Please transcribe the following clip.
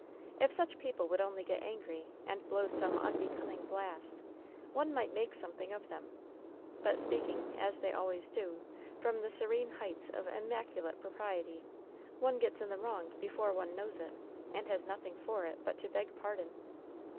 If such people would only get angry, and blow some unbecoming blast, one might make something of them; but speaking, as they always do, from the serene heights of immaculate propriety, one gets in the wrong before one knows it, and has nothing for it but to beg pardon.